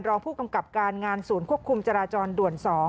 รองผู้กำกับการงานศูนย์ควบคุมจราจรด่วน๒